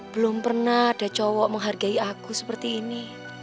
belum pernah ada cowok menghargai aku seperti ini